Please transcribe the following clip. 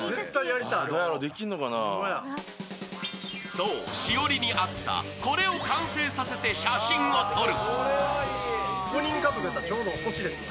そう、しおりにあったこれを完成させて写真を撮る。